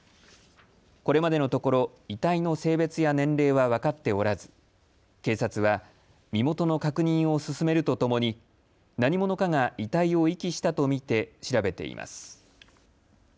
これまでのところ遺体の性別や年齢は分かっておらず警察は身元の確認を進めるとともに何者かが遺体を遺棄したとみて調べています。